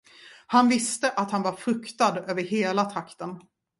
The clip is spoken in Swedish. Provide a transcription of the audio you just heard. Han visste, att han var fruktad över hela trakten.